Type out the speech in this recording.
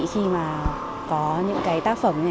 khi mà có những cái tác phẩm này ở đây